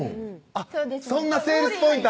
そんなセールスポイント